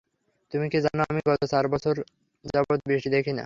তুমি কি জানো, আমি গত চার বছর যাবৎ বৃষ্টি দেখি না?